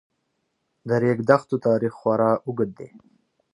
د ریګ دښتو تاریخ خورا اوږد دی.